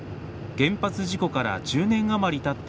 原発事故から１０年余りたった